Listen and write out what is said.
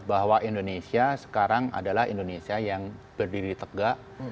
bahwa indonesia sekarang adalah indonesia yang berdiri tegak